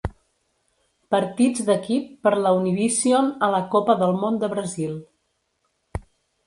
Partits d'equip per la Univision a la Copa del Món de Brasil.